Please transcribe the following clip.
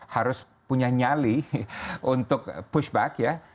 harus punya nyali untuk push back ya